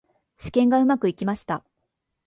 試験がうまくいきました。